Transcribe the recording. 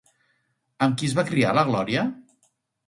Amb qui es va criar la Gloria?